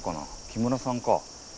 木村さんか。